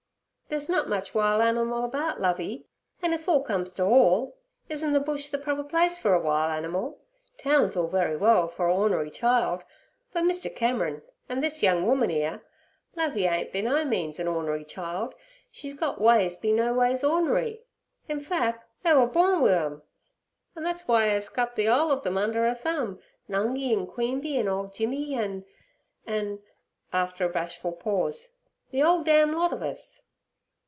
'They's nut much wile animal about Lovey; an' if all comes ter all, isen' ther bush ther proper place for a wile animal? Town's all very well for a ornery child, but, Mr. Cameron and this young woman 'ere, Lovey ain't be no means a ornery child. She's gut ways be no ways ornery. In fac' 'er were born wi' em, an' thet's w'y 'er's gut ther 'ole ov them under 'er thumb—Nungi an' Queeby, an' ole Jimmy an'—an'—'after a bashful pause—'the 'ole damn lot ov us!'